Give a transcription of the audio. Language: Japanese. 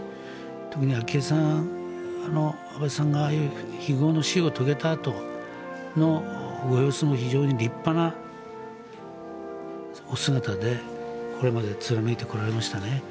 特に昭恵さん安倍さんがああいう非業の死を遂げたあとのご様子も非常に立派なお姿でこれまで貫いてこられましたね。